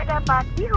kenapa tidak bisa